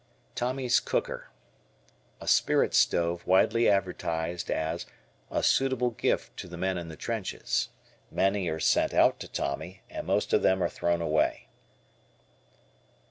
Tommy's Cooker. A spirit stove widely advertised as "A suitable gift to the men in the trenches." Many are sent out to Tommy and most of them are thrown away.